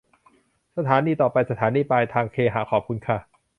สถานีต่อไป สถานีปลายทางเคหะ ขอบคุณค่ะ